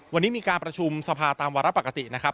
วันนี้มีการประชุมสภาตามวาระปกตินะครับ